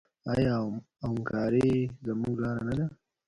آیا او همکاري زموږ لاره نه ده؟